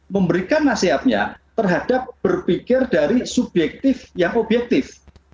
memberikan nasihatnya terhadap berpikir dari subjektif yang objektif